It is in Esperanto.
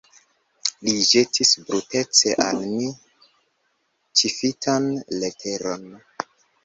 Li ĵetis brutece al mi ĉifitan leteron.